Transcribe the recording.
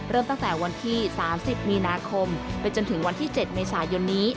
เริ่มตั้งแต่วันที่๓๐มีนาคมไปจนถึงวันที่๗เมษายนนี้